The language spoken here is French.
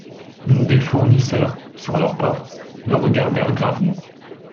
Des fournisseurs, sur leurs portes, le regardèrent gravement.